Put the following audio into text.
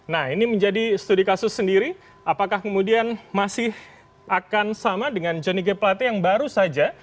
nah ini menjadi studi kasus sendiri apakah kemudian masih akan sama dengan johnny g plate yang baru saja